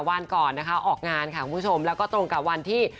วันก่อนนะคะออกงานค่ะคุณผู้ชมแล้วก็ตรงกับวันที่